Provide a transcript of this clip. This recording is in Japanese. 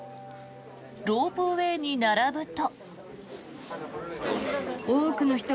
ロープウェーに並ぶと。